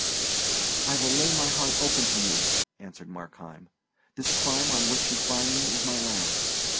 "I will lay my heart open to you," answered Markheim. "This crime on which you find me is my last.